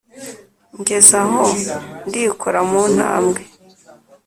ngeze aho ndikora mu ntambwe,